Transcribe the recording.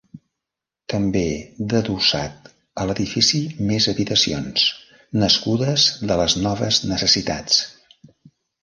També d'adossat a l'edifici més habitacions, nascudes de les noves necessitats.